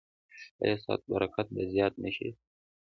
ایا ستاسو برکت به زیات نه شي؟